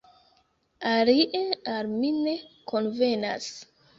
Alie al mi ne konvenas.